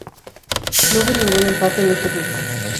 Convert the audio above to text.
No hubo ningún empate en este grupo.